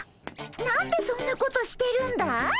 何でそんなことしてるんだい？